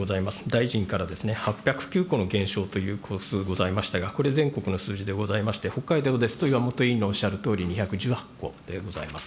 大臣から８０９戸の減少という戸数、ございましたが、これ、全国の数字でございまして、北海道ですと岩本委員のおっしゃるとおり２１８戸でございます。